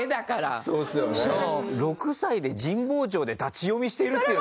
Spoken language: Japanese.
６歳で神保町で立ち読みしてるっていうのがすごいよね。